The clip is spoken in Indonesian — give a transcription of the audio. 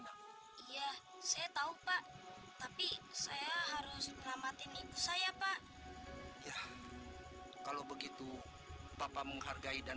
nah iya saya tahu pak tapi saya harus melamatin ibu saya pak kalau begitu bapak menghargai dan